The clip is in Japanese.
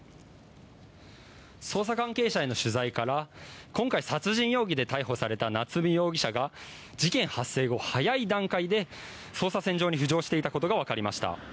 捜査関係者への取材から今回、殺人容疑で逮捕された夏見容疑者が事件発生後早い段階で捜査線上に浮上していたことが分かりました。